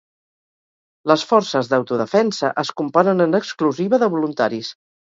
Les Forces d'Autodefensa es componen en exclusiva de voluntaris.